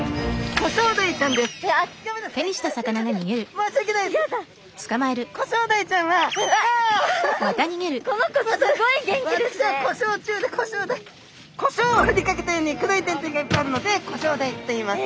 コショウをふりかけたように黒い点々がいっぱいあるのでコショウダイといいます。